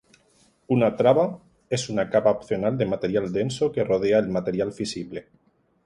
Una "traba" es una capa opcional de material denso que rodea al material fisible.